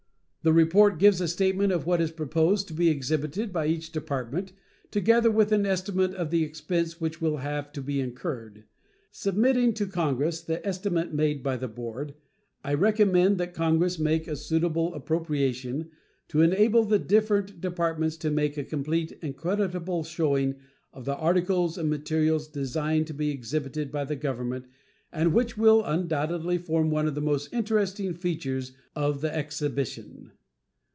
The report gives a statement of what is proposed to be exhibited by each Department, together with an estimate of the expense which will have to be incurred. Submitting to Congress the estimate made by the board, I recommend that Congress make a suitable appropriation to enable the different Departments to make a complete and creditable showing of the articles and materials designed to be exhibited by the Government, and which will undoubtedly form one of the most interesting features of the exhibition.